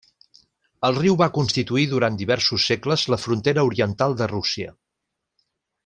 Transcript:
El riu va constituir durant diversos segles la frontera oriental de Rússia.